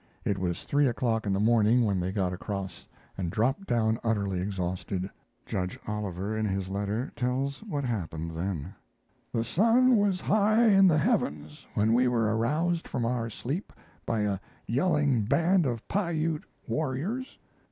It was three o'clock in the morning when they got across and dropped down utterly exhausted. Judge Oliver in his letter tells what happened then: The sun was high in the heavens when we were aroused from our sleep by a yelling band of Piute warriors.